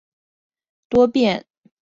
多变尻参为尻参科尻参属的动物。